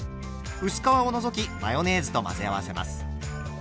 薄皮を除きマヨネーズと混ぜ合わせます。